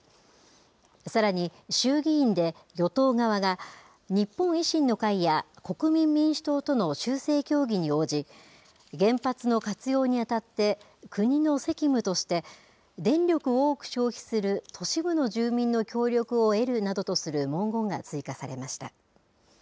さらに、衆議院で与党側が、日本維新の会や国民民主党との修正協議に応じ、原発の活用に当たって、国の責務として、電力を多く消費する都市部の住民の協力を得るなどとする文言が追加されました。